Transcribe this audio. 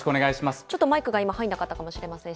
ちょっとマイクが今入らなかったかもしれません。